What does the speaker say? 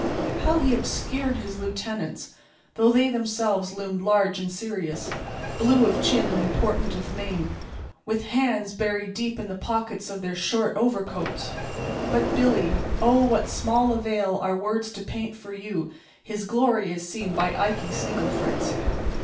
How he obscured his lieutenants, though they themselves loomed large and serious, blue of chin and important of mien, with hands buried deep in the pockets of their short overcoats! But Billy—oh, what small avail are words to paint for you his glory as seen by Ikey Snigglefritz!